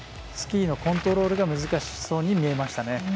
スキーのコントロールが難しそうに見えましたね。